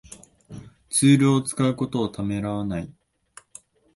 ツールを使うことをためらわない